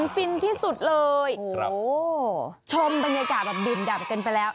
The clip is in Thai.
ฟินที่สุดเลยโอ้โหชมบรรยากาศแบบดื่มดับกันไปแล้ว